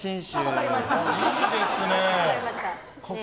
いいですね！